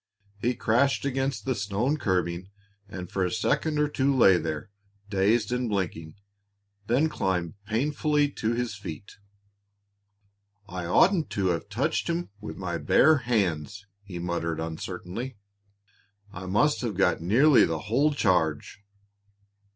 He crashed against the stone curbing and for a second or two lay there, dazed and blinking, then climbed painfully to his feet. "I oughtn't to have touched him with my bare hands," he muttered uncertainly. "I must have got nearly the whole charge!"